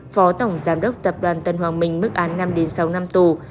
phó tổng giám đốc tập đoàn tân hoàng minh mức án năm sáu năm tù